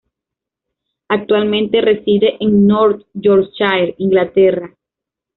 Actualmente reside en North Yorkshire, Inglaterra.